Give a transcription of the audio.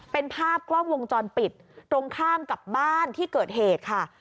เป็นภาพกล้องวงจรปิดตรงข้ามกับบ้านที่เกิดเหตุค่ะ